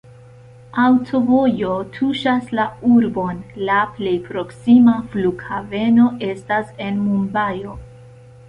Aŭtovojo tuŝas la urbon, la plej proksima flughaveno estas en Mumbajo.